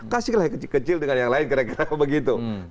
kasihlah yang kecil kecil dengan yang lain kira kira begitu